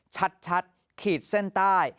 ชัดขีดเส้นใต้